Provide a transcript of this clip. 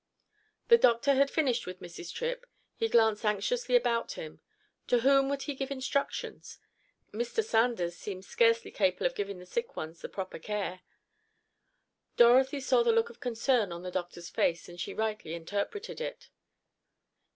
The doctor had finished with Mrs. Tripp. He glanced anxiously about him. To whom would he give instructions? Mr. Sanders seemed scarcely capable of giving the sick ones the proper care. Dorothy saw the look of concern on the doctor's face and she rightly interpreted it.